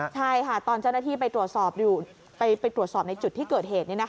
ใช่ค่ะตอนเจ้าหน้าที่ไปตรวจสอบในจุดที่เกิดเหตุ